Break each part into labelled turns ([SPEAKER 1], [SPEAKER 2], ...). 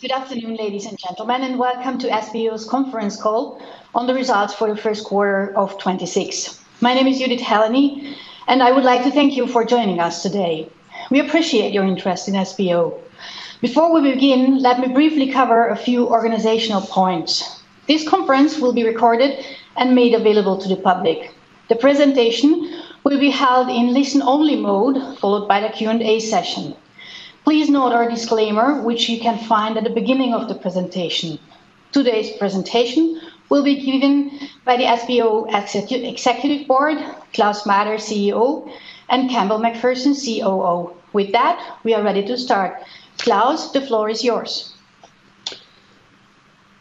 [SPEAKER 1] Good afternoon, ladies and gentlemen, and welcome to SBO's conference call on the results for the first quarter of 2026. My name is Judit Helenyi, and I would like to thank you for joining us today. We appreciate your interest in SBO. Before we begin, let me briefly cover a few organizational points. This conference will be recorded and made available to the public. The presentation will be held in listen-only mode, followed by the Q&A session. Please note our disclaimer, which you can find at the beginning of the presentation. Today's presentation will be given by the SBO Executive Board, Klaus Mader, CEO, and Campbell MacPherson, COO. With that, we are ready to start. Klaus, the floor is yours.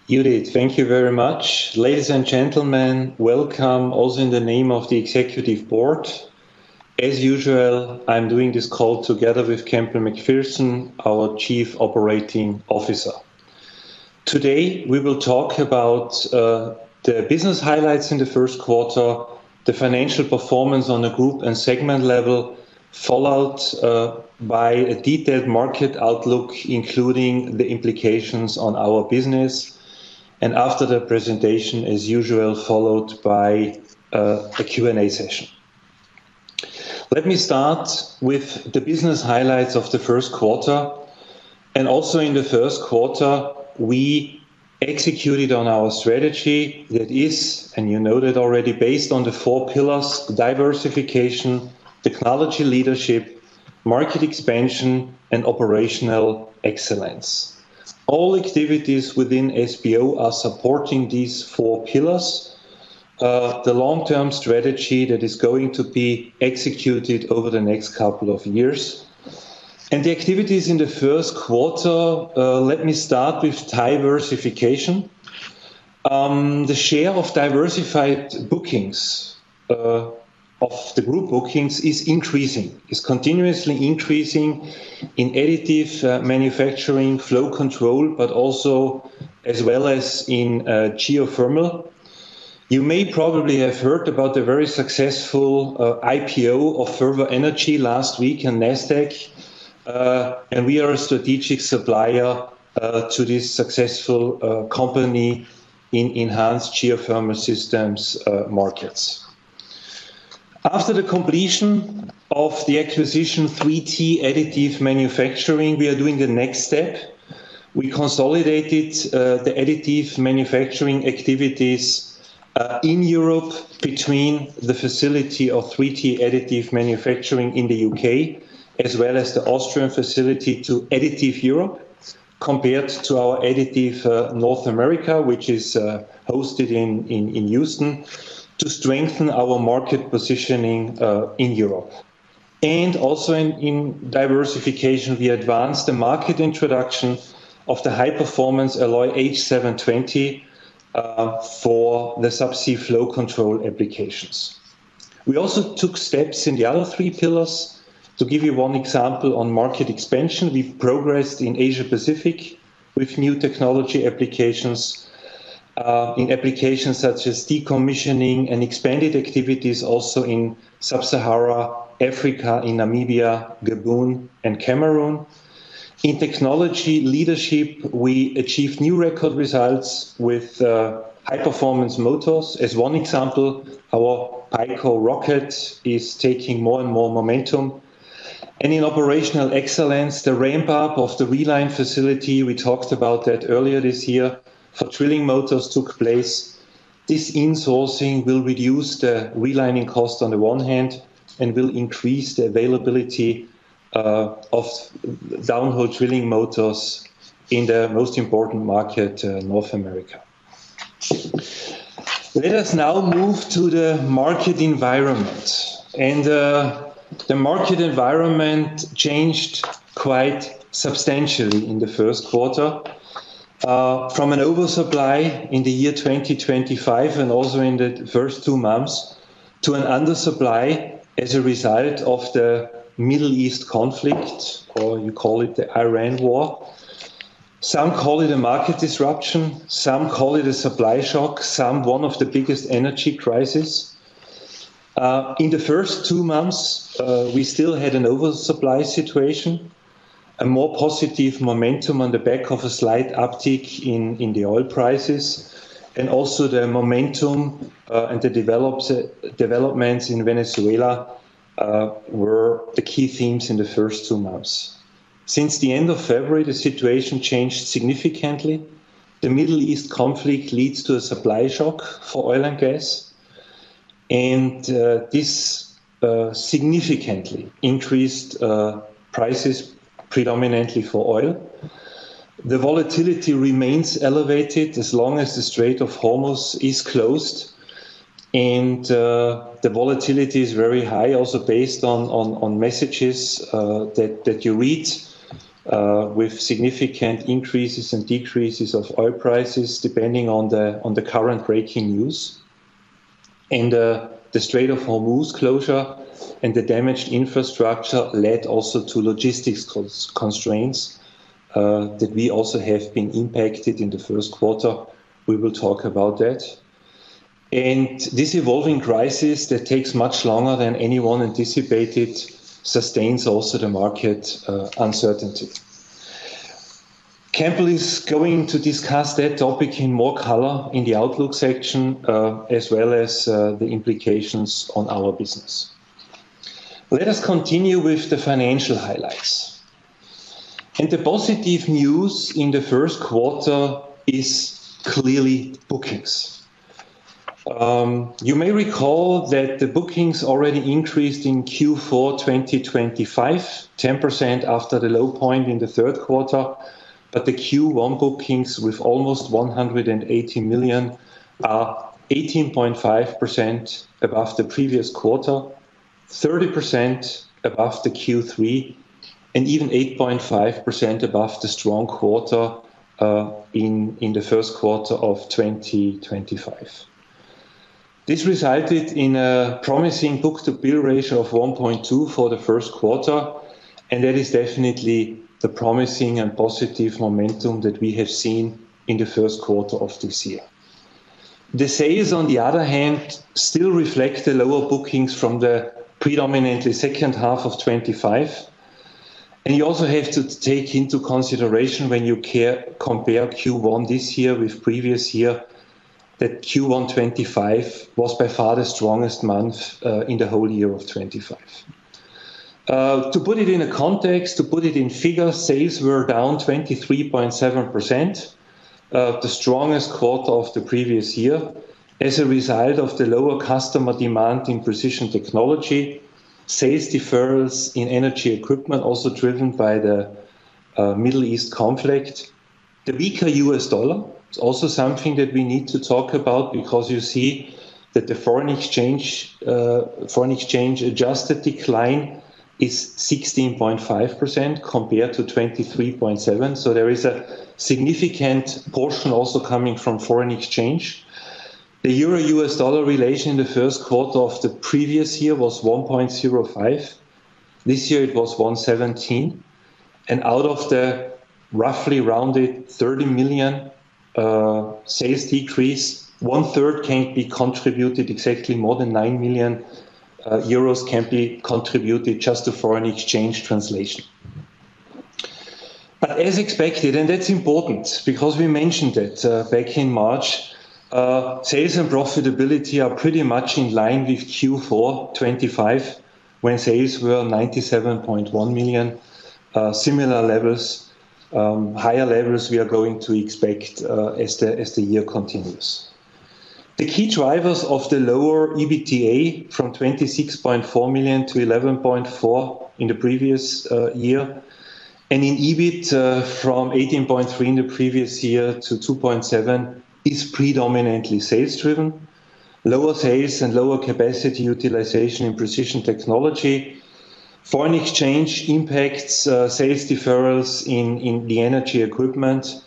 [SPEAKER 2] Judit, thank you very much. Ladies and gentlemen, welcome also in the name of the Executive Board. As usual, I'm doing this call together with Campbell MacPherson, our Chief Operating Officer. Today, we will talk about the business highlights in the first quarter, the financial performance on the group and segment level, followed by a detailed market outlook, including the implications on our business. After the presentation, as usual, followed by a Q&A session. Let me start with the business highlights of the first quarter. Also in the first quarter, we executed on our strategy. That is, and you know that already, based on the four pillars: diversification, technology leadership, market expansion, and operational excellence. All activities within SBO are supporting these four pillars. The long-term strategy that is going to be executed over the next couple of years. The activities in the first quarter, let me start with diversification. The share of diversified bookings of the group bookings is increasing. It's continuously increasing in additive manufacturing, flow control, but also as well as in geothermal. You may probably have heard about the very successful IPO of Fervo Energy last week on Nasdaq, and we are a strategic supplier to this successful company in enhanced geothermal systems markets. After the completion of the acquisition 3T Additive Manufacturing, we are doing the next step. We consolidated the additive manufacturing activities in Europe between the facility of 3T Additive Manufacturing in the U.K., as well as the Austrian facility to SBO Additive Europe, compared to our Additive North America, which is hosted in Houston to strengthen our market positioning in Europe. Also in diversification, we advanced the market introduction of the high-performance alloy H720 for the subsea flow control applications. We also took steps in the other three pillars. To give you one example on market expansion, we've progressed in Asia Pacific with new technology applications in applications such as decommissioning and expanded activities also in sub-Sahara Africa, in Namibia, Gabon, and Cameroon. In technology leadership, we achieved new record results with high-performance motors. As one example, our Haiko rocket is taking more and more momentum. In operational excellence, the ramp-up of the reline facility, we talked about that earlier this year, for drilling motors took place. This insourcing will reduce the relining cost on the one hand and will increase the availability of downhole drilling motors in the most important market, North America. Let us now move to the market environment. The market environment changed quite substantially in the first quarter. From an oversupply in the year 2025 and also in the first two months, to an undersupply as a result of the Middle East conflict, or you call it the Iran war. Some call it a market disruption, some call it a supply shock, some one of the biggest energy crisis. In the first two months, we still had an oversupply situation, a more positive momentum on the back of a slight uptick in the oil prices, and also the momentum and the developments in Venezuela were the key themes in the first two months. Since the end of February, the situation changed significantly. The Middle East conflict leads to a supply shock for oil and gas, and this significantly increased prices predominantly for oil. The volatility remains elevated as long as the Strait of Hormuz is closed, the volatility is very high also based on messages that you read, with significant increases and decreases of oil prices depending on the current breaking news. The Strait of Hormuz closure and the damaged infrastructure led also to logistics constraints that we also have been impacted in the first quarter. We will talk about that. This evolving crisis that takes much longer than anyone anticipated, sustains also the market uncertainty. Campbell is going to discuss that topic in more color in the outlook section, as well as the implications on our business. Let us continue with the financial highlights. The positive news in the first quarter is clearly bookings. You may recall that the bookings already increased in Q4 2025, 10% after the low point in the third quarter. The Q1 bookings with almost 180 million are 18.5% above the previous quarter, 30% above the Q3, and even 8.5% above the strong quarter in the first quarter of 2025. This resulted in a promising book-to-bill ratio of 1.2 for the first quarter, and that is definitely the promising and positive momentum that we have seen in the first quarter of this year. The sales, on the other hand, still reflect the lower bookings from the predominantly second half of 2025. You also have to take into consideration when you compare Q1 this year with previous year, that Q1 2025 was by far the strongest month in the whole year of 2025. To put it in a context, to put it in figures, sales were down 23.7% of the strongest quarter of the previous year as a result of the lower customer demand in precision technology, sales deferrals in energy equipment also driven by the Middle East conflict. The weaker USD is also something that we need to talk about because you see that the foreign exchange adjusted decline is 16.5% compared to 23.7%. There is a significant portion also coming from foreign exchange. The EUR/USD relation in the first quarter of the previous year was 1.05. This year it was 1.17. Out of the roughly rounded 30 million sales decrease, one-third can be contributed exactly more than 9 million euros can be contributed just to foreign exchange translation. As expected, and that's important because we mentioned that back in March, sales and profitability are pretty much in line with Q4 2025 when sales were 97.1 million. Similar levels, higher levels we are going to expect as the year continues. The key drivers of the lower EBITDA from 26.4 million to 11.4 million in the previous year. In EBIT from 18.3 million in the previous year to 2.7 million is predominantly sales driven. Lower sales and lower capacity utilization in precision technology. Foreign exchange impacts sales deferrals in the energy equipment.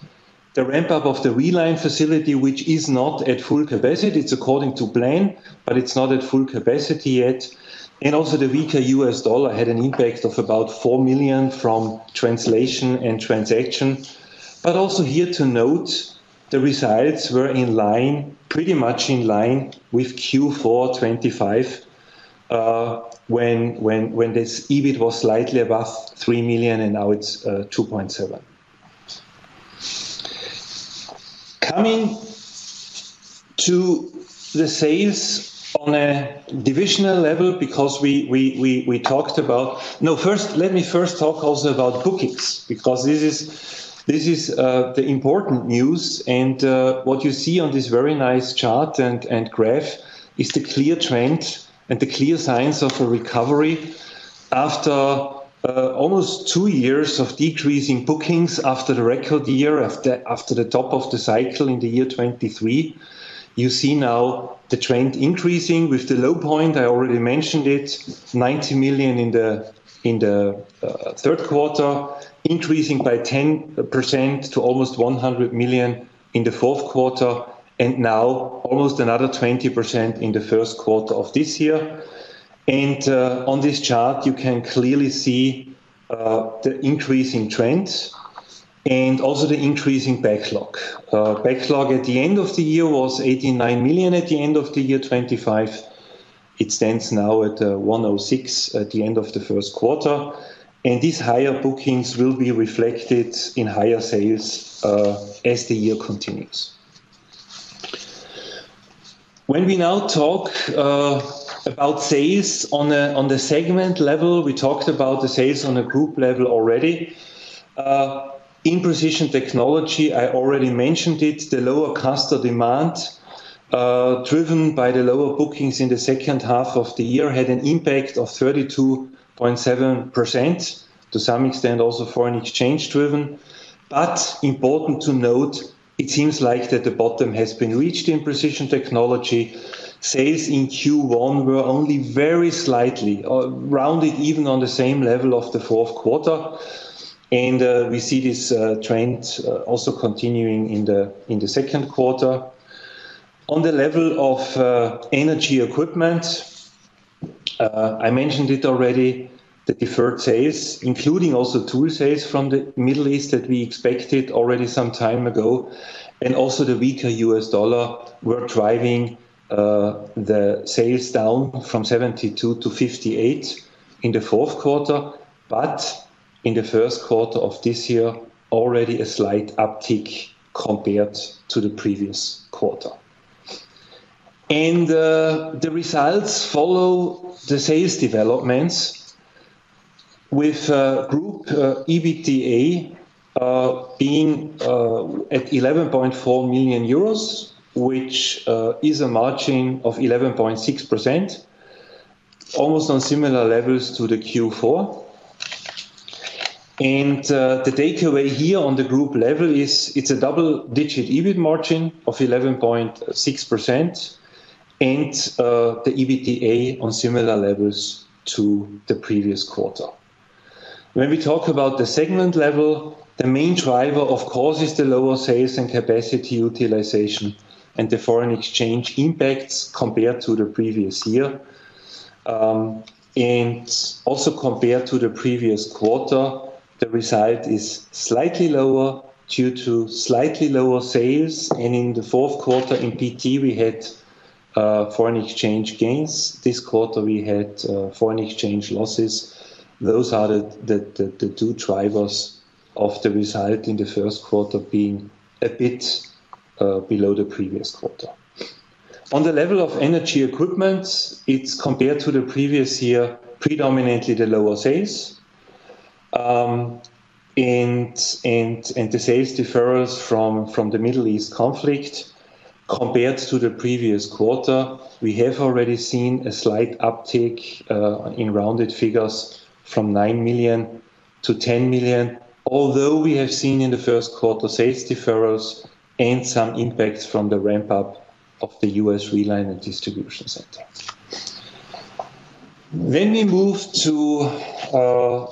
[SPEAKER 2] The ramp-up of the reline facility, which is not at full capacity. It's according to plan, but it's not at full capacity yet. Also the weaker U.S. dollar had an impact of about $4 million from translation and transaction. Also here to note, the results were pretty much in line with Q4 2025, when this EBIT was slightly above 3 million and now it's 2.7 million. Coming to the sales on a divisional level, let me first talk also about bookings because this is the important news. What you see on this very nice chart and graph is the clear trend and the clear signs of a recovery after almost two years of decreasing bookings after the record year, after the top of the cycle in the year 2023. You see now the trend increasing with the low point, I already mentioned it, 90 million in the third quarter, increasing by 10% to almost 100 million in the fourth quarter, and now almost another 20% in the first quarter of this year. On this chart you can clearly see the increase in trends and also the increase in backlog. Backlog at the end of the year was 89 million at the end of the year 2025. It stands now at 106 million at the end of the first quarter. These higher bookings will be reflected in higher sales as the year continues. We now talk about sales on the segment level, we talked about the sales on a group level already. In Precision Technology, I already mentioned it, the lower customer demand, driven by the lower bookings in the second half of the year had an impact of 32.7%, to some extent also foreign exchange driven. Important to note, it seems like that the bottom has been reached in Precision Technology. Sales in Q1 were only very slightly, rounded even on the same level of the fourth quarter. We see this trend also continuing in the second quarter. On the level of energy equipment, I mentioned it already, the deferred sales, including also tool sales from the Middle East that we expected already some time ago, and also the weaker U.S. dollar, were driving the sales down from 72 to 58 in the fourth quarter. In the first quarter of this year, already a slight uptick compared to the previous quarter. The results follow the sales developments with group EBITDA being at 11.4 million euros, which is a margin of 11.6%, almost on similar levels to the Q4. The takeaway here on the group level is it's a double-digit EBIT margin of 11.6% and the EBITDA on similar levels to the previous quarter. When we talk about the segment level, the main driver, of course, is the lower sales and capacity utilization and the foreign exchange impacts compared to the previous year. Also compared to the previous quarter, the result is slightly lower due to slightly lower sales. In the fourth quarter in PT, we had foreign exchange gains. This quarter, we had foreign exchange losses. Those are the two drivers of the result in the first quarter being a bit below the previous quarter. On the level of Energy Equipment, it's compared to the previous year, predominantly the lower sales. The sales deferrals from the Middle East conflict. Compared to the previous quarter, we have already seen a slight uptick in rounded figures from 9 million to 10 million, although we have seen in the first quarter sales deferrals and some impacts from the ramp-up of the U.S. reline and distribution centers. We move to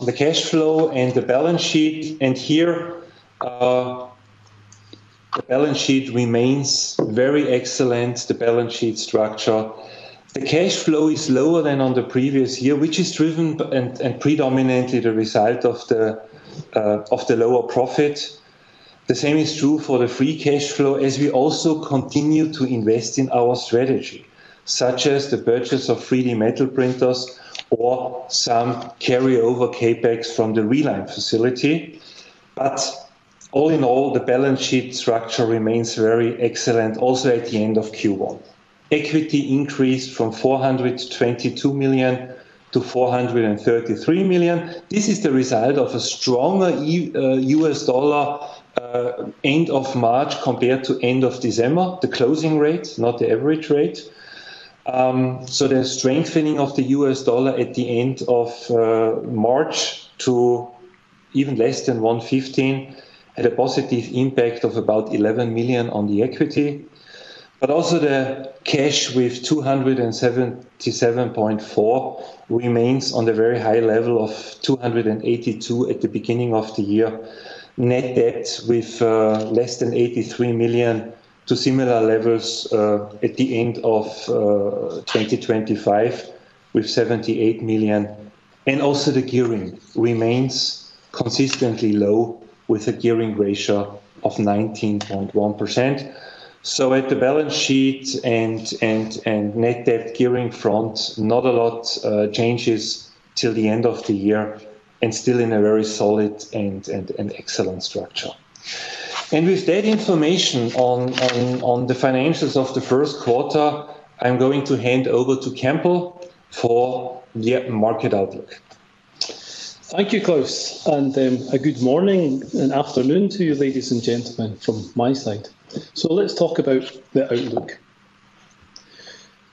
[SPEAKER 2] the cash flow and the balance sheet, and here the balance sheet remains very excellent, the balance sheet structure. The cash flow is lower than on the previous year, which is driven and predominantly the result of the lower profit. The same is true for the free cash flow, as we also continue to invest in our strategy. Such as the purchase of 3D metal printers or some carryover CapEx from the reline facility. All in all, the balance sheet structure remains very excellent also at the end of Q1. Equity increased from 422 million to 433 million. This is the result of a strong U.S. dollar end of March compared to end of December, the closing rate, not the average rate. The strengthening of the U.S. dollar at the end of March to even less than 115 had a positive impact of about 11 million on the equity. Also the cash with 277.4 million remains on the very high level of 282 million at the beginning of the year. Net debt with less than 83 million to similar levels at the end of 2025 with 78 million. Also the gearing remains consistently low with a gearing ratio of 19.1%. At the balance sheet and net debt gearing front, not a lot changes till the end of the year and still in a very solid and excellent structure. With that information on the financials of the first quarter, I'm going to hand over to Campbell for the market outlook.
[SPEAKER 3] Thank you, Klaus. A good morning and afternoon to you, ladies and gentlemen, from my side. Let's talk about the outlook.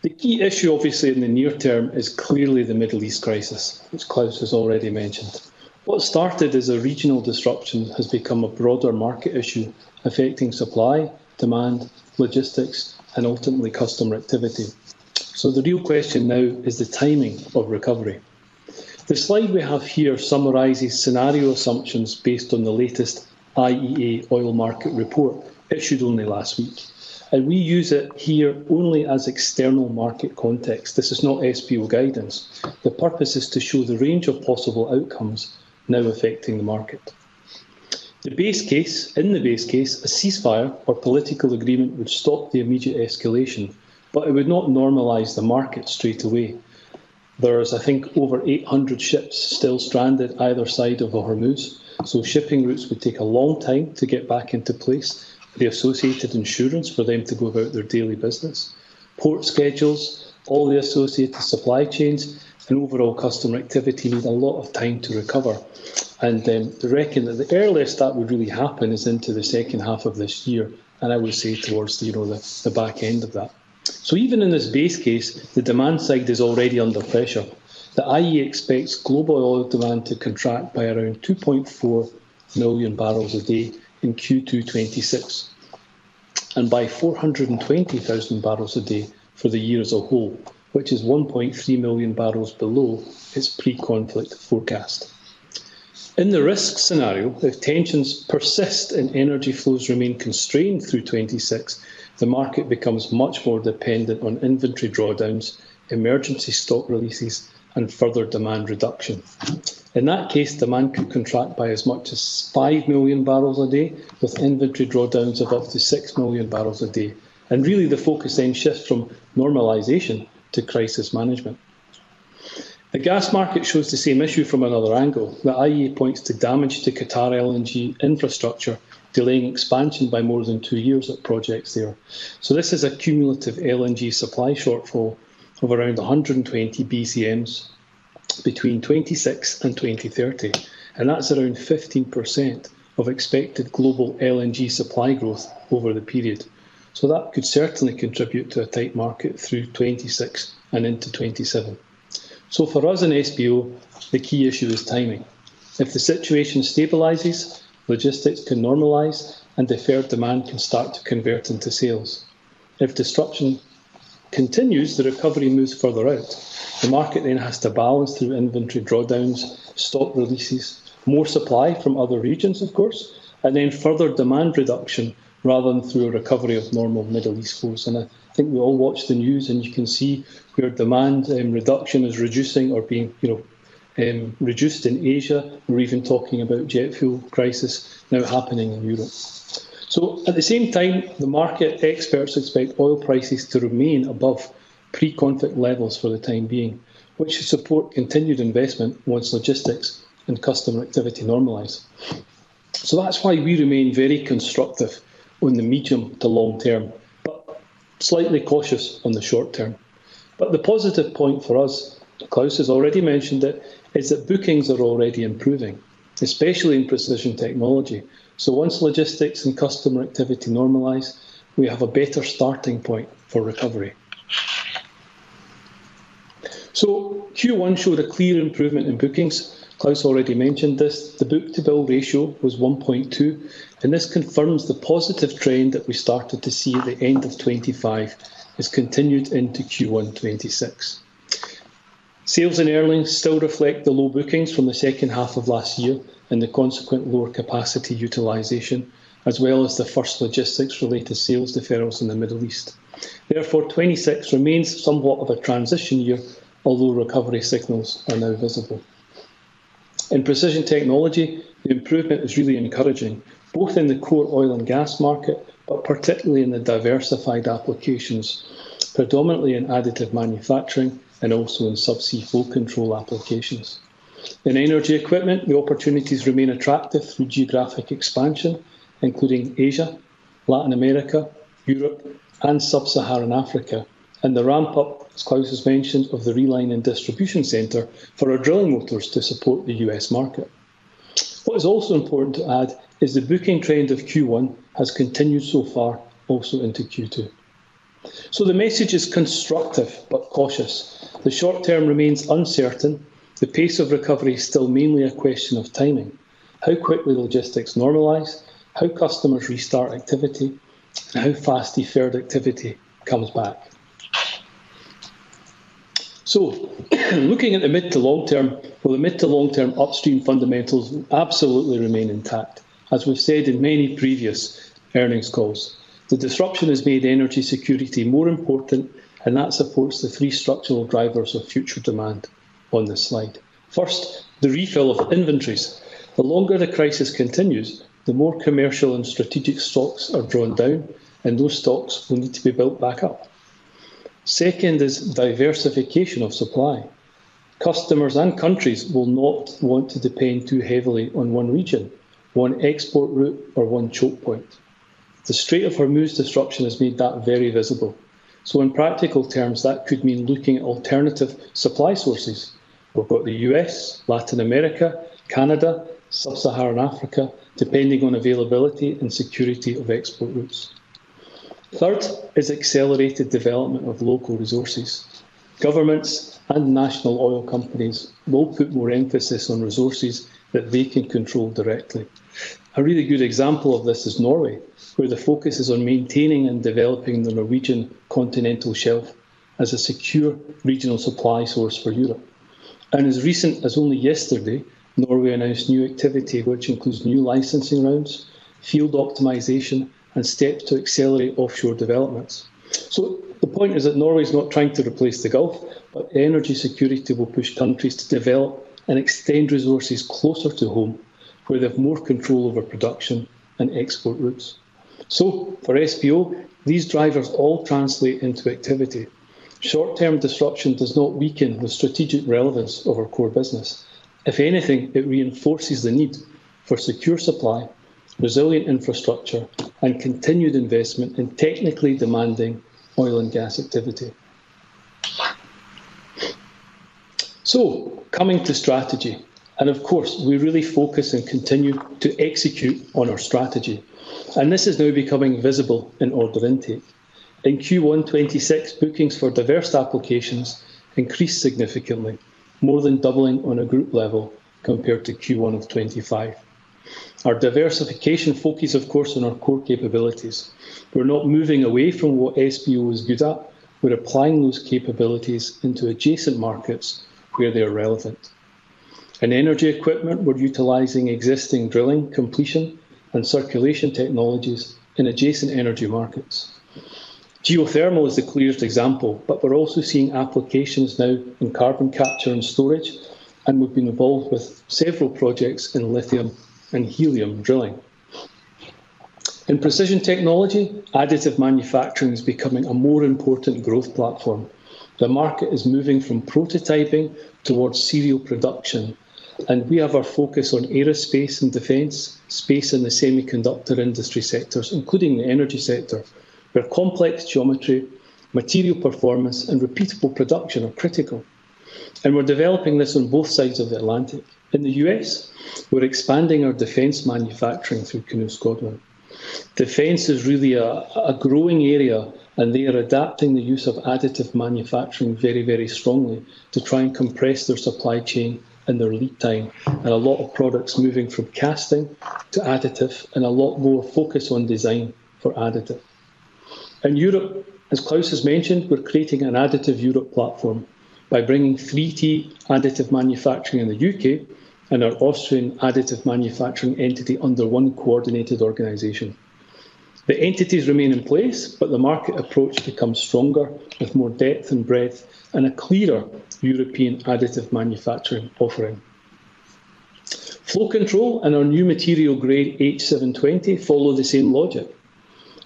[SPEAKER 3] The key issue, obviously, in the near term is clearly the Middle East crisis, which Klaus has already mentioned. What started as a regional disruption has become a broader market issue affecting supply, demand, logistics, and ultimately customer activity. The real question now is the timing of recovery. The slide we have here summarizes scenario assumptions based on the latest IEA oil market report issued only last week. We use it here only as external market context. This is not SBO guidance. The purpose is to show the range of possible outcomes now affecting the market. In the base case, a ceasefire or political agreement would stop the immediate escalation, but it would not normalize the market straight away. There is, I think, over 800 ships still stranded either side of the Hormuz, so shipping routes would take a long time to get back into place. The associated insurance for them to go about their daily business, port schedules, all the associated supply chains, and overall customer activity need a lot of time to recover. Then they reckon that the earliest that would really happen is into the second half of this year, and I would say towards the back end of that. Even in this base case, the demand side is already under pressure. The IEA expects global oil demand to contract by around 2.4 million barrels a day in Q2 2026. By 420,000 barrels a day for the year as a whole, which is 1.3 million barrels below its pre-conflict forecast. In the risk scenario, if tensions persist and energy flows remain constrained through 2026, the market becomes much more dependent on inventory drawdowns, emergency stock releases, and further demand reduction. In that case, demand could contract by as much as 5 million barrels a day, with inventory drawdowns of up to 6 million barrels a day. Really the focus then shifts from normalization to crisis management. The gas market shows the same issue from another angle. The IEA points to damage to Qatar LNG infrastructure, delaying expansion by more than two years of projects there. This is a cumulative LNG supply shortfall of around 120 BCMs between 2026 and 2030, That's around 15% of expected global LNG supply growth over the period. That could certainly contribute to a tight market through 2026 and into 2027. For us in SBO, the key issue is timing. If the situation stabilizes, logistics can normalize, and deferred demand can start to convert into sales. If disruption continues, the recovery moves further out. The market has to balance through inventory drawdowns, stock releases, more supply from other regions, of course, and further demand reduction rather than through a recovery of normal Middle East flows. I think we all watch the news, and you can see where demand and reduction is reducing or being reduced in Asia. We're even talking about jet fuel crisis now happening in Europe. At the same time, the market experts expect oil prices to remain above pre-conflict levels for the time being, which should support continued investment once logistics and customer activity normalize. That's why we remain very constructive on the medium to long term, but slightly cautious on the short term. The positive point for us, Klaus has already mentioned it, is that bookings are already improving, especially in precision technology. Once logistics and customer activity normalize, we have a better starting point for recovery. Q1 showed a clear improvement in bookings. Klaus already mentioned this. The book-to-bill ratio was 1.2, this confirms the positive trend that we started to see at the end of 2025 has continued into Q1 2026. Sales and earnings still reflect the low bookings from the second half of last year and the consequent lower capacity utilization, as well as the first logistics-related sales deferrals in the Middle East. Therefore, 2026 remains somewhat of a transition year, although recovery signals are now visible. In precision technology, the improvement is really encouraging, both in the core oil and gas market, particularly in the diversified applications, predominantly in additive manufacturing and also in subsea flow control applications. In energy equipment, the opportunities remain attractive through geographic expansion, including Asia, Latin America, Europe, and sub-Saharan Africa. The ramp-up, as Klaus has mentioned, of the reline and distribution center for our drilling motors to support the U.S. market. What is also important to add is the booking trend of Q1 has continued so far also into Q2. The message is constructive but cautious. The short term remains uncertain. The pace of recovery is still mainly a question of timing, how quickly logistics normalize, how customers restart activity, and how fast deferred activity comes back. Looking at the mid to long term, well, the mid to long-term upstream fundamentals absolutely remain intact, as we've said in many previous earnings calls. The disruption has made energy security more important, and that supports the three structural drivers of future demand on this slide. First, the refill of inventories. The longer the crisis continues, the more commercial and strategic stocks are drawn down, and those stocks will need to be built back up. Second is diversification of supply. Customers and countries will not want to depend too heavily on one region, one export route, or one choke point. The Strait of Hormuz disruption has made that very visible. In practical terms, that could mean looking at alternative supply sources. We've got the U.S., Latin America, Canada, sub-Saharan Africa, depending on availability and security of export routes. Third is accelerated development of local resources. Governments and national oil companies will put more emphasis on resources that they can control directly. A really good example of this is Norway, where the focus is on maintaining and developing the Norwegian continental shelf as a secure regional supply source for Europe. As recent as only yesterday, Norway announced new activity, which includes new licensing rounds, field optimization, and steps to accelerate offshore developments. The point is that Norway is not trying to replace the Gulf, but energy security will push countries to develop and extend resources closer to home, where they have more control over production and export routes. For SBO, these drivers all translate into activity. Short-term disruption does not weaken the strategic relevance of our core business. If anything, it reinforces the need for secure supply, resilient infrastructure, and continued investment in technically demanding oil and gas activity. Coming to strategy, and of course, we really focus and continue to execute on our strategy, and this is now becoming visible in order intake. In Q1 2026, bookings for diverse applications increased significantly, more than doubling on a group level compared to Q1 2025. Our diversification focus, of course, on our core capabilities. We're not moving away from what SBO is good at. We're applying those capabilities into adjacent markets where they are relevant. In Energy Equipment, we're utilizing existing drilling completion and circulation tools in adjacent energy markets. Geothermal is the clearest example, but we're also seeing applications now in carbon capture and storage, and we've been involved with several projects in lithium and helium drilling. In Precision Technology, additive manufacturing is becoming a more important growth platform. The market is moving from prototyping towards serial production, we have our focus on aerospace and defense, space, and the semiconductor industry sectors, including the energy sector, where complex geometry, material performance, and repeatable production are critical. In the U.S., we're expanding our defense manufacturing through Canoe Scotland. Defense is really a growing area, they are adapting the use of additive manufacturing very strongly to try and compress their supply chain and their lead time. A lot of products moving from casting to additive, a lot more focus on design for additive. In Europe, as Klaus has mentioned, we're creating an additive Europe platform by bringing 3T Additive Manufacturing in the U.K. and our Austrian additive manufacturing entity under one coordinated organization. The entities remain in place. The market approach becomes stronger with more depth and breadth and a clearer European additive manufacturing offering. Flow control and our new material grade H720 follow the same logic.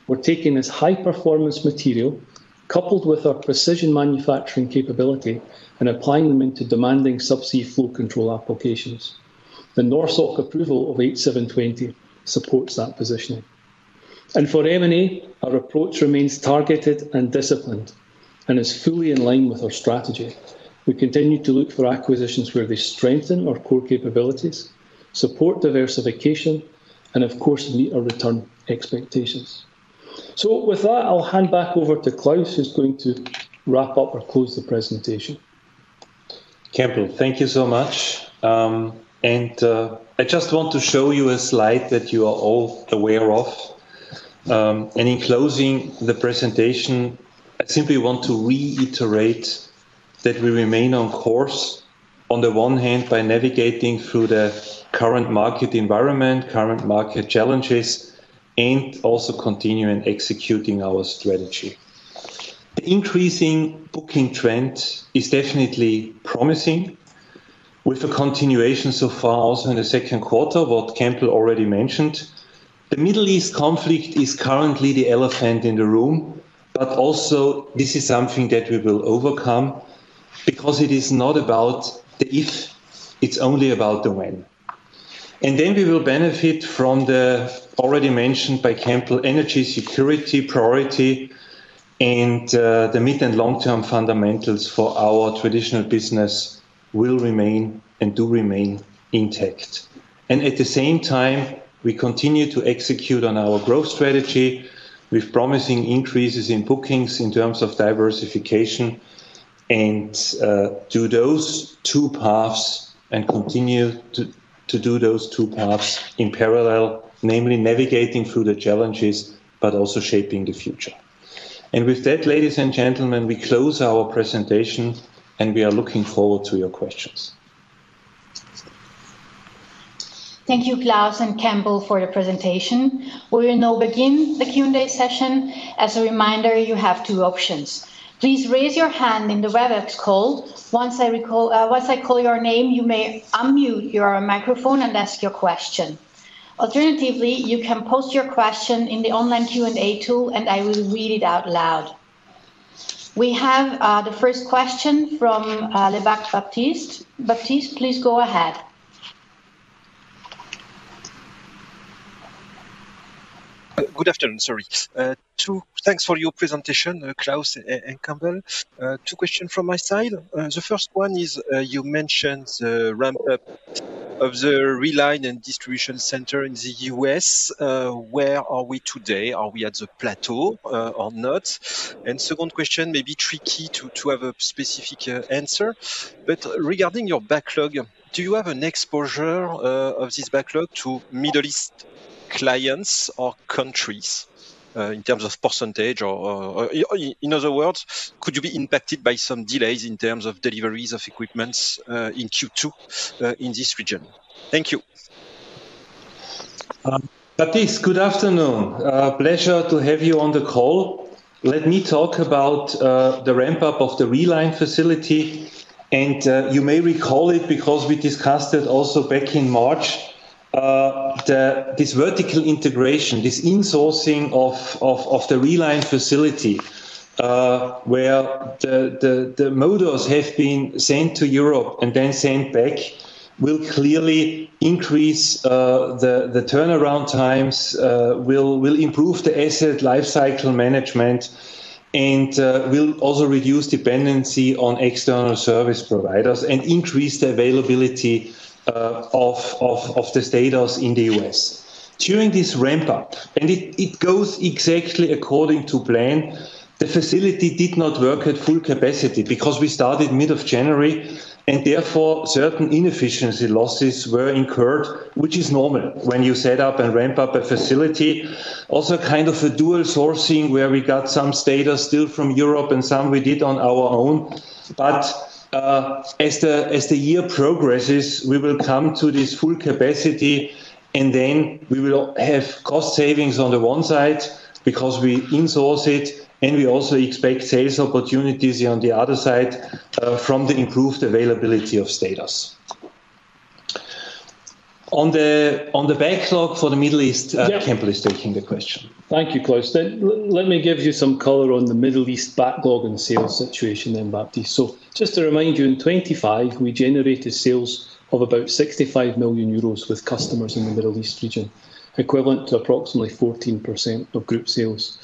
[SPEAKER 3] We're taking this high-performance material, coupled with our precision manufacturing capability, and applying them into demanding subsea flow control applications. The NORSOK approval of H720 supports that positioning. For M&A, our approach remains targeted and disciplined and is fully in line with our strategy. We continue to look for acquisitions where we strengthen our core capabilities, support diversification, and of course, meet our return expectations. With that, I'll hand back over to Klaus, who's going to wrap up or close the presentation.
[SPEAKER 2] Campbell, thank you so much. I just want to show you a slide that you are all aware of. In closing the presentation, I simply want to reiterate that we remain on course, on the one hand, by navigating through the current market environment, current market challenges, and also continuing executing our strategy. The increasing booking trend is definitely promising with a continuation so far also in the second quarter, what Campbell already mentioned. The Middle East conflict is currently the elephant in the room, also this is something that we will overcome because it is not about the if, it's only about the when. Then we will benefit from the already mentioned by Campbell, energy security priority and the mid and long-term fundamentals for our traditional business will remain and do remain intact. At the same time, we continue to execute on our growth strategy with promising increases in bookings in terms of diversification and do those two paths and continue to do those two paths in parallel, namely navigating through the challenges but also shaping the future. With that, ladies and gentlemen, we close our presentation and we are looking forward to your questions.
[SPEAKER 1] Thank you, Klaus and Campbell, for your presentation. We will now begin the Q&A session. As a reminder, you have two options. Please raise your hand in the WebEx call. Once I call your name, you may unmute your microphone and ask your question. Alternatively, you can post your question in the online Q&A tool and I will read it out loud. We have the first question from Lebacq Baptiste. Baptiste, please go ahead.
[SPEAKER 4] Good afternoon, sorry. Thanks for your presentation, Klaus and Campbell. Two question from my side. The first one is, you mentioned the ramp-up of the reline and distribution center in the U.S. Where are we today? Are we at the plateau or not? Second question may be tricky to have a specific answer, but regarding your backlog, do you have an exposure of this backlog to Middle East clients or countries in terms of percentage? Or in other words, could you be impacted by some delays in terms of deliveries of equipments in Q2 in this region? Thank you.
[SPEAKER 2] Baptiste, good afternoon. Pleasure to have you on the call. Let me talk about the ramp-up of the reline facility. You may recall it because we discussed it also back in March. This vertical integration, this insourcing of the reline facility where the motors have been sent to Europe and then sent back will clearly increase the turnaround times, will improve the asset life cycle management, and will also reduce dependency on external service providers and increase the availability of the stators in the U.S. During this ramp up, it goes exactly according to plan. The facility did not work at full capacity because we started mid of January, and therefore certain inefficiency losses were incurred, which is normal when you set up and ramp up a facility. Also kind of a dual sourcing where we got some stators still from Europe and some we did on our own. As the year progresses, we will come to this full capacity, and then we will have cost savings on the one side because we insource it, and we also expect sales opportunities on the other side from the improved availability of stators.
[SPEAKER 3] Yeah
[SPEAKER 2] Campbell is taking the question.
[SPEAKER 3] Thank you, Klaus. Let me give you some color on the Middle East backlog and sales situation, Baptiste. Just to remind you, in 2025, we generated sales of about 65 million euros with customers in the Middle East region, equivalent to approximately 14% of group sales.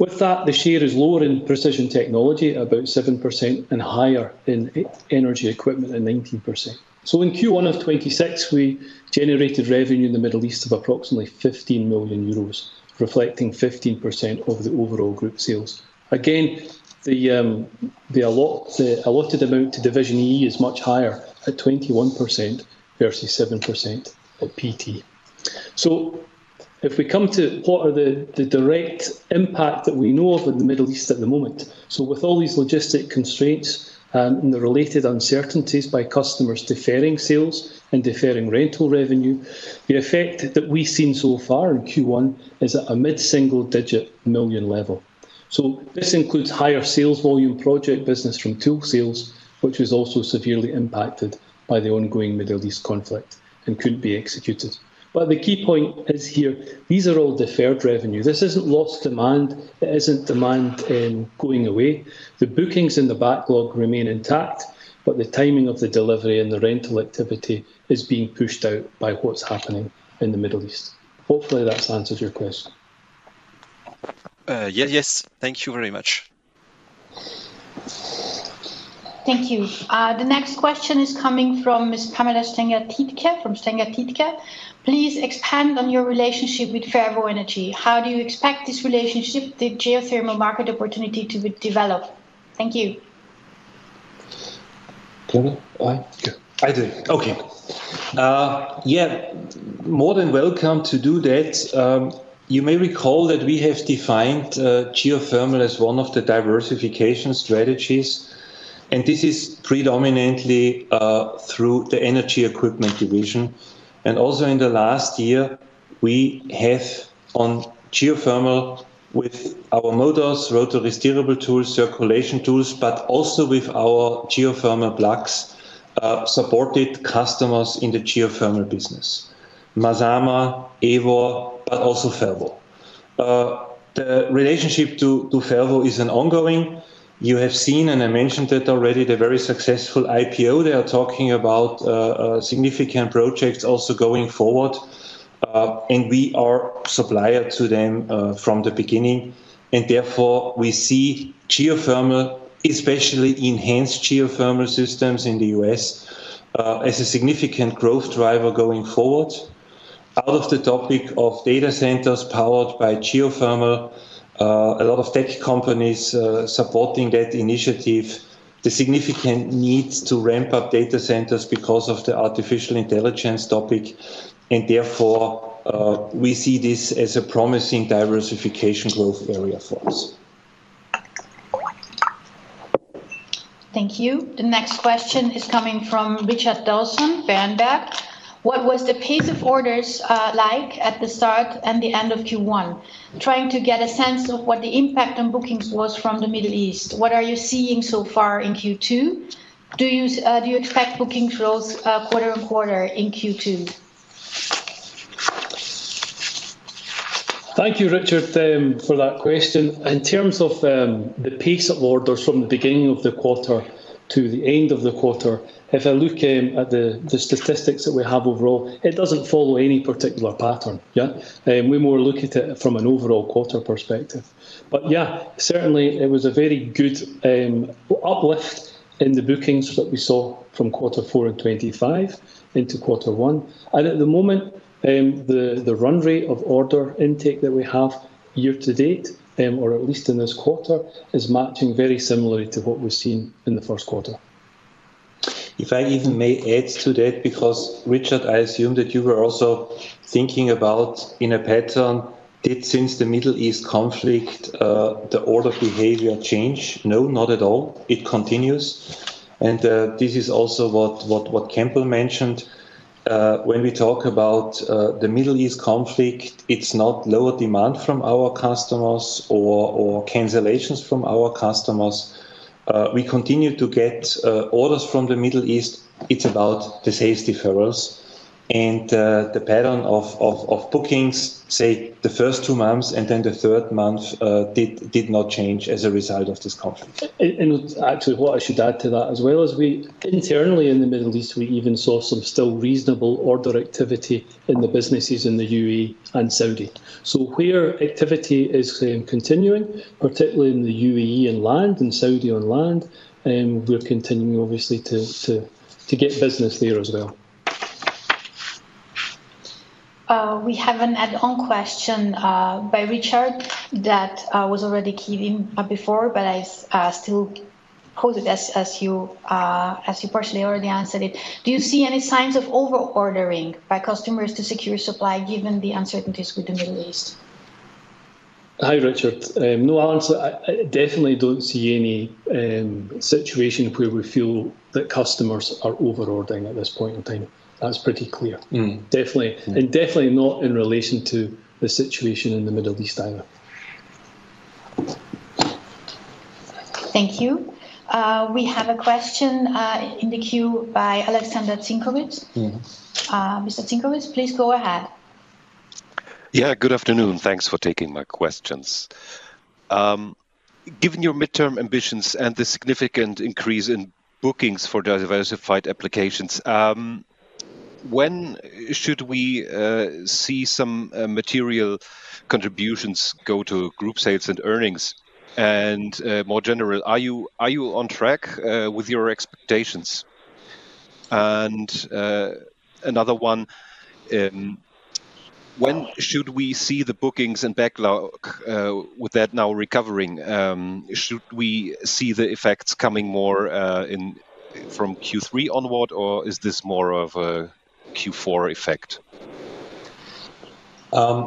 [SPEAKER 3] With that, the share is lower in precision technology, about 7%, and higher in energy equipment at 19%. In Q1 of 2026, we generated revenue in the Middle East of approximately 15 million euros, reflecting 15% of the overall group sales. Again, the allotted amount to division EE is much higher at 21% versus 7% at PT. If we come to what are the direct impact that we know of in the Middle East at the moment, with all these logistic constraints and the related uncertainties by customers deferring sales and deferring rental revenue, the effect that we've seen so far in Q1 is at a mid-single digit million level. This includes higher sales volume project business from tool sales, which was also severely impacted by the ongoing Middle East conflict and couldn't be executed. The key point is here, these are all deferred revenue. It isn't lost demand. It isn't demand going away. The bookings in the backlog remain intact, but the timing of the delivery and the rental activity is being pushed out by what's happening in the Middle East. Hopefully that's answered your question.
[SPEAKER 4] Yes. Thank you very much.
[SPEAKER 1] Thank you. The next question is coming from Ms. Pamela Stengert-Tiedtke from Stengert-Tiedtke. Please expand on your relationship with Fervo Energy. How do you expect this relationship, the geothermal market opportunity, to develop? Thank you.
[SPEAKER 2] Campbell? Or I?
[SPEAKER 3] Yeah.
[SPEAKER 2] I do. Okay. Yeah, more than welcome to do that. You may recall that we have defined geothermal as one of the diversification strategies, and this is predominantly through the energy equipment division. Also in the last year, we have on geothermal with our motors, rotary steerable tools, circulation tools, but also with our geothermal blocks, supported customers in the geothermal business. Mazama Energy, Eavor, but also Fervo Energy. The relationship to Fervo Energy is an ongoing. You have seen, and I mentioned it already, the very successful IPO. They are talking about significant projects also going forward. We are supplier to them from the beginning, and therefore, we see geothermal, especially enhanced geothermal systems in the U.S., as a significant growth driver going forward. Out of the topic of data centers powered by geothermal, a lot of tech companies supporting that initiative, the significant needs to ramp up data centers because of the artificial intelligence topic, and therefore, we see this as a promising diversification growth area for us.
[SPEAKER 1] Thank you. The next question is coming from Richard Dawson, Berenberg. What was the pace of orders like at the start and the end of Q1? Trying to get a sense of what the impact on bookings was from the Middle East. What are you seeing so far in Q2? Do you expect booking flows quarter-on-quarter in Q2?
[SPEAKER 3] Thank you, Richard, for that question. In terms of the pace of orders from the beginning of the quarter to the end of the quarter, if I look at the statistics that we have overall, it doesn't follow any particular pattern. Yeah. We more look at it from an overall quarter perspective. Yeah, certainly it was a very good uplift in the bookings that we saw from quarter 4 in 2025 into quarter 1. At the moment, the run rate of order intake that we have year to date, or at least in this quarter, is matching very similarly to what we've seen in the first quarter.
[SPEAKER 2] If I even may add to that, because Richard, I assume that you were also thinking about in a pattern, did since the Middle East conflict, the order behavior change? No, not at all. It continues. This is also what Campbell mentioned. When we talk about the Middle East conflict, it's not lower demand from our customers or cancellations from our customers. We continue to get orders from the Middle East. It's about the sales deferrals and the pattern of bookings, say the first two months and then the third month, did not change as a result of this conflict.
[SPEAKER 3] Actually, what I should add to that as well is we internally in the Middle East, we even saw some still reasonable order activity in the businesses in the UAE and Saudi. Where activity is continuing, particularly in the UAE on land and Saudi on land, we're continuing obviously to get business there as well.
[SPEAKER 1] We have an add-on question by Richard that was already keyed in before, but I still pose it as you partially already answered it. Do you see any signs of over-ordering by customers to secure supply given the uncertainties with the Middle East?
[SPEAKER 3] Hi, Richard. No, I definitely don't see any situation where we feel that customers are over-ordering at this point in time. That's pretty clear. Definitely not in relation to the situation in the Middle East either.
[SPEAKER 1] Thank you. We have a question in the queue by Alexander Zivkovic. Mr. Zivkovic, please go ahead.
[SPEAKER 5] Yeah, good afternoon. Thanks for taking my questions. Given your midterm ambitions and the significant increase in bookings for diversified applications, when should we see some material contributions go to group sales and earnings? More general, are you on track with your expectations? Another one, when should we see the bookings and backlog with that now recovering? Should we see the effects coming more from Q3 onward, or is this more of a Q4 effect?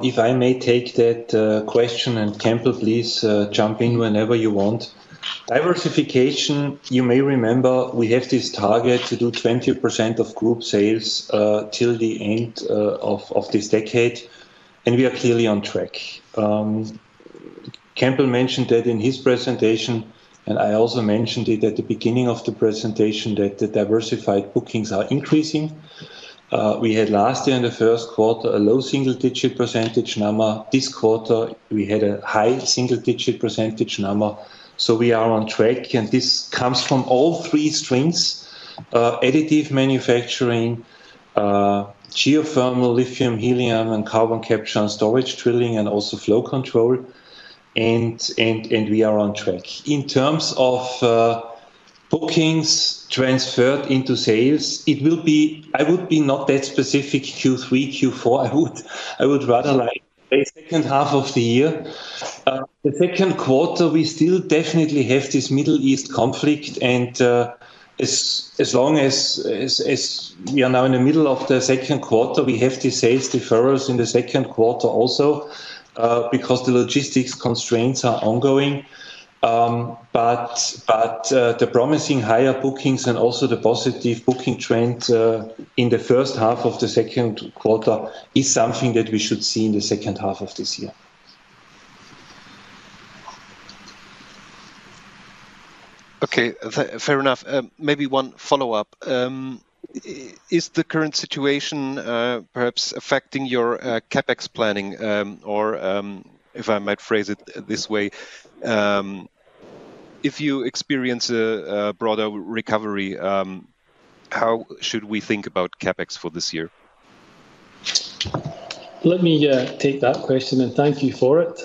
[SPEAKER 2] If I may take that question, Campbell, please jump in whenever you want. Diversification, you may remember, we have this target to do 20% of group sales till the end of this decade, and we are clearly on track. Campbell mentioned that in his presentation, and I also mentioned it at the beginning of the presentation, that the diversified bookings are increasing. We had last year in the first quarter a low single-digit percentage number. This quarter, we had a high single-digit percentage number. We are on track, and this comes from all three streams, additive manufacturing, geothermal, lithium, helium, and carbon capture and storage, drilling, and also flow control, and we are on track. In terms of bookings transferred into sales, I would be not that specific Q3, Q4. I would rather like the second half of the year. The second quarter, we still definitely have this Middle East conflict. As long as we are now in the middle of the second quarter, we have the sales deferrals in the second quarter also, because the logistics constraints are ongoing. The promising higher bookings and also the positive booking trend in the first half of the second quarter is something that we should see in the second half of this year.
[SPEAKER 5] Okay. Fair enough. Maybe one follow-up. Is the current situation perhaps affecting your CapEx planning? If I might phrase it this way, if you experience a broader recovery, how should we think about CapEx for this year?
[SPEAKER 3] Let me take that question, and thank you for it.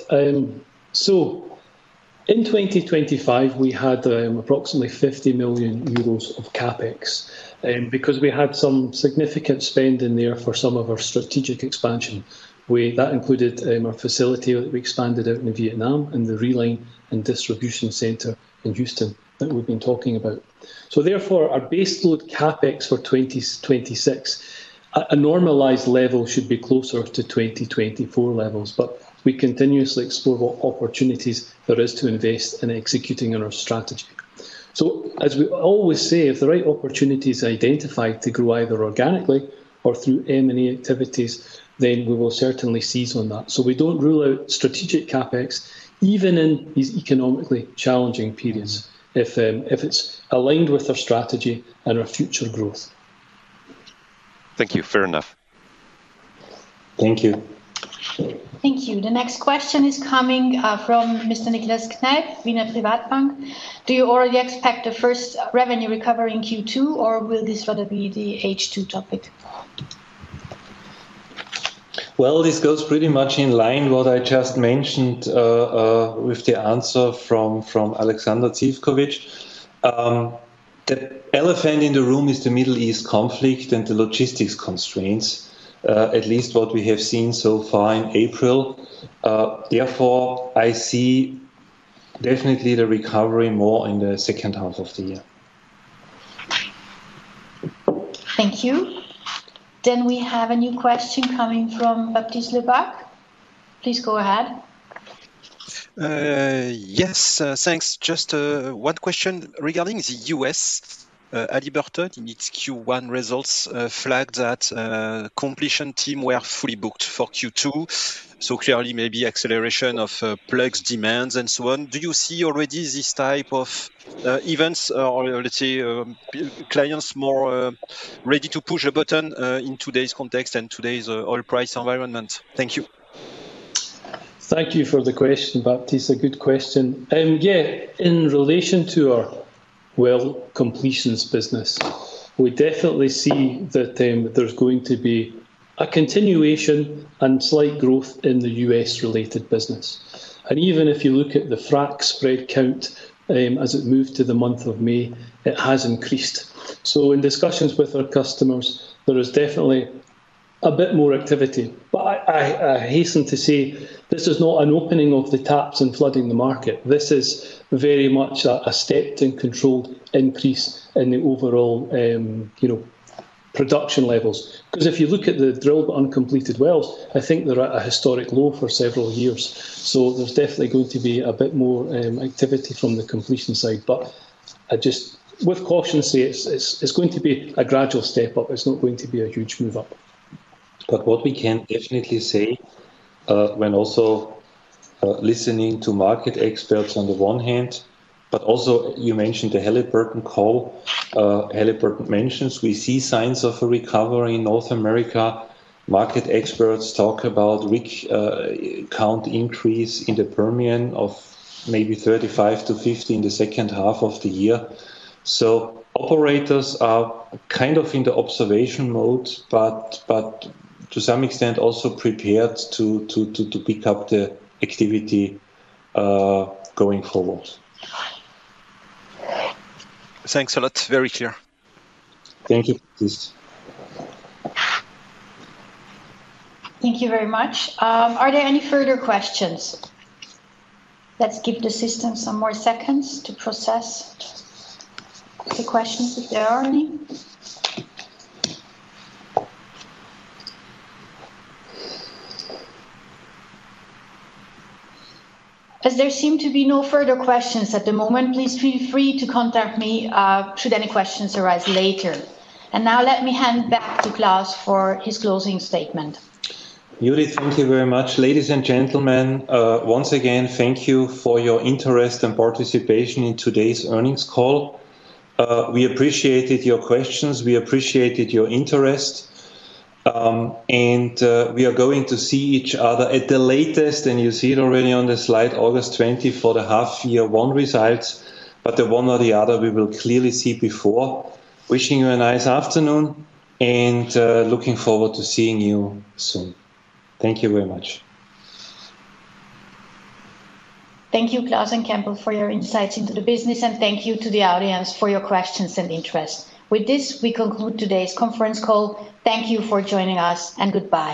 [SPEAKER 3] In 2025, we had approximately 50 million euros of CapEx, because we had some significant spend in there for some of our strategic expansion. That included our facility that we expanded out in Vietnam and the reline facility in Houston that we've been talking about. Therefore, our base load CapEx for 2026 at a normalized level should be closer to 2024 levels, but we continuously explore what opportunities there is to invest in executing on our strategy. As we always say, if the right opportunity is identified to grow either organically or through M&A activities, then we will certainly seize on that. We don't rule out strategic CapEx, even in these economically challenging periods, if it's aligned with our strategy and our future growth.
[SPEAKER 5] Thank you. Fair enough.
[SPEAKER 2] Thank you.
[SPEAKER 1] Thank you. The next question is coming from Mr. Nicolas Kneip, Wiener Privatbank. Do you already expect the first revenue recovery in Q2, or will this rather be the H2 topic?
[SPEAKER 2] Well, this goes pretty much in line what I just mentioned with the answer from Alexander Zivkovic. The elephant in the room is the Middle East conflict and the logistics constraints, at least what we have seen so far in April. Therefore, I see definitely the recovery more in the second half of the year.
[SPEAKER 1] Thank you. We have a new question coming from Baptiste Lebacq. Please go ahead.
[SPEAKER 4] Yes. Thanks. Just one question regarding the U.S. ADNOC Drilling, in its Q1 results flagged that completion team were fully booked for Q2, so clearly maybe acceleration of plug demands and so on. Do you see already these type of events or, let's say, clients more ready to push a button in today's context and today's oil price environment? Thank you.
[SPEAKER 3] Thank you for the question, Baptiste. A good question. In relation to our well completions business, we definitely see that there's going to be a continuation and slight growth in the U.S.-related business. Even if you look at the frac spread count as it moved to the month of May, it has increased. In discussions with our customers, there is definitely a bit more activity. I hasten to say, this is not an opening of the taps and flooding the market. This is very much a stepped and controlled increase in the overall production levels. If you look at the drilled but uncompleted wells, I think they're at a historic low for several years. There's definitely going to be a bit more activity from the completion side. I just, with caution, say it's going to be a gradual step-up. It's not going to be a huge move up.
[SPEAKER 2] What we can definitely say, when also listening to market experts on the one hand, but also you mentioned the Halliburton call. Halliburton mentions we see signs of a recovery in North America. Market experts talk about rig count increase in the Permian of maybe 35-50 in the second half of the year. Operators are kind of in the observation mode, but to some extent also prepared to pick up the activity going forward.
[SPEAKER 4] Thanks a lot. Very clear.
[SPEAKER 2] Thank you.
[SPEAKER 1] Thank you very much. Are there any further questions? Let's give the system some more seconds to process the questions, if there are any. As there seem to be no further questions at the moment, please feel free to contact me should any questions arise later. Now let me hand back to Klaus Mader for his closing statement.
[SPEAKER 2] Judit, thank you very much. Ladies and gentlemen, once again, thank you for your interest and participation in today's earnings call. We appreciated your questions, we appreciated your interest. We are going to see each other at the latest, and you see it already on the slide, August 20 for the half year 1 results. The one or the other we will clearly see before. Wishing you a nice afternoon, and looking forward to seeing you soon. Thank you very much.
[SPEAKER 1] Thank you, Klaus and Campbell, for your insights into the business, and thank you to the audience for your questions and interest. With this, we conclude today's conference call. Thank you for joining us and goodbye.